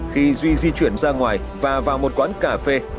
khi duy di chuyển ra ngoài và vào một quán cà phê